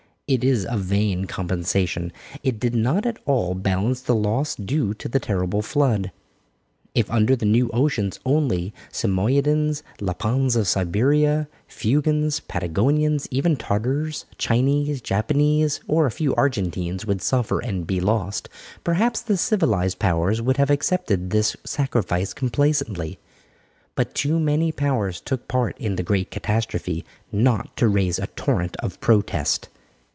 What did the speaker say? It is a vain compensation. It did not at all balance the loss due to the terrible flood. If under the new oceans only Samoyedens, Lapons of Siberia, Feugans, Patogonians even Tartars, Chinese, Japanese, or a few Argentines would suffer and be lost, perhaps the civilized powers would have accepted this sacrifice complacently. But too many powers took part in the great catastrophe not to raise a torrent of protest.